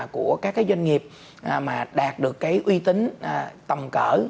các doanh nghiệp mà đạt được cái uy tín tầm cỡ